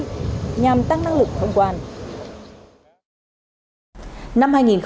nhằm tăng năng lực thông quan